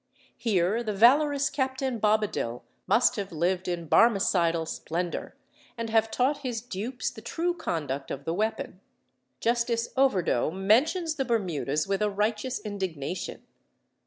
Here the valorous Captain Bobadill must have lived in Barmecidal splendour, and have taught his dupes the true conduct of the weapon. Justice Overdo mentions the Bermudas with a righteous indignation.